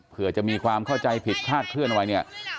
เผื่อจะมีความเข้าใจผิดคลาดเคลื่อนไว้เนี่ย